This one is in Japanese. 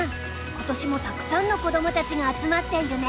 今年もたくさんのこどもたちが集まっているね。